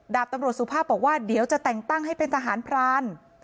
ดาบตำรวจสุภาพบอกว่าเดี๋ยวจะแต่งตั้งให้เป็นทหารพราน